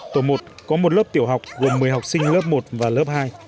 tổ một có một lớp tiểu học gồm một mươi học sinh lớp một và lớp hai